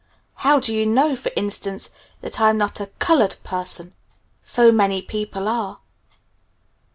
How do you know, for instance, that I'm not a 'Cullud Pusson'? So many people are."